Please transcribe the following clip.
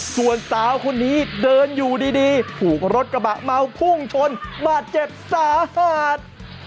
ส่วนสาวคนนี้เดินอยู่ดีถูกรถกระบะเมาพุ่งชนบาดเจ็บสาหัส